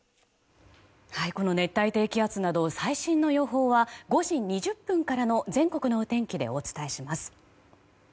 この熱帯低気圧など最新の予報は５時２０分からの全国のお天気でお伝えします。